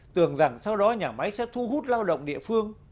tưởng rằng sau đó nhà máy sẽ thu hút lao động địa phương